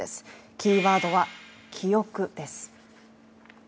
キーワードは「記憶」です。